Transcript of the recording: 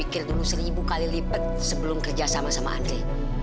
mikir dulu seribu kali lipat sebelum kerja sama sama andre